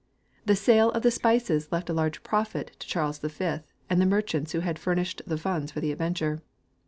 The sale of the spices left a large profit to Charles V and the merchants who had furnished the funds for the adventure.